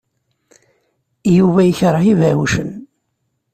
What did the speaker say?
Yuba yekṛeh ibeɛɛucen.